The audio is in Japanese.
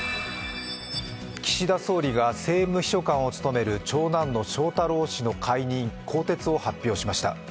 岸田総理が政務秘書官を務める翔太郎氏の更迭を発表しました。